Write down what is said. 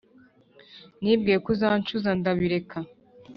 nibwiye ko uzancuza ndabireka